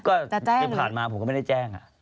จะแจ้งหรือก็ที่ผ่านมาผมก็ไม่ได้แจ้ง